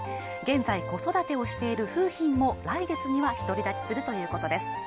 現在子育てをしている楓浜も来月には独り立ちするということです